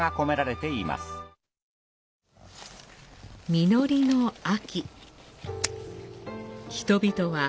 実りの秋。